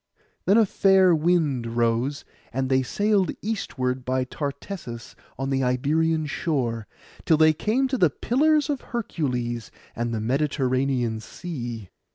Then a fair wind rose, and they sailed eastward by Tartessus on the Iberian shore, till they came to the Pillars of Hercules, and the Mediterranean Sea.